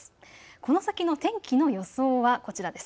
この先の天気の予想はこちらです。